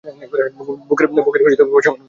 বুকের পশমের মধ্যে?